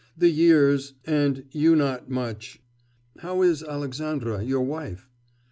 'The years... and you not much. How is Alexandra your wife?